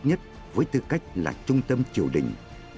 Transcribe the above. nhất với tư cách là trung tâm triều đình